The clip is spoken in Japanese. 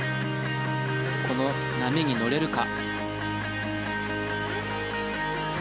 この波に乗れるか。